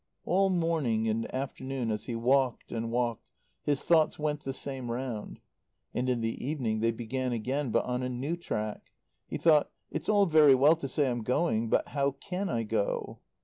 All morning and afternoon, as he walked and walked, his thoughts went the same round. And in the evening they began again, but on a new track. He thought: "It's all very well to say I'm going; but how can I go?"